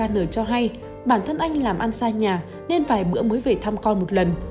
n cho hay bản thân anh làm ăn xa nhà nên vài bữa mới về thăm con một lần